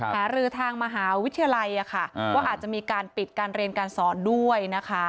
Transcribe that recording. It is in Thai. หารือทางมหาวิทยาลัยว่าอาจจะมีการปิดการเรียนการสอนด้วยนะคะ